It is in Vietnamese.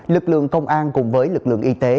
lực lượng công an cùng với lực lượng y tế